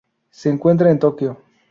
Se encuentra en Tokio.